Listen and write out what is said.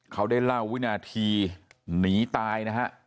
เขาได้เล่าวินาทีหนีตายนะฮะ